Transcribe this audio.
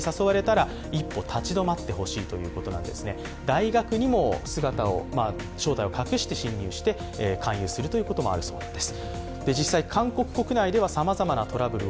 大学にも正体を隠して侵入して勧誘するということもあるそうです。